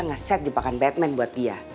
nge set jepakan batman buat dia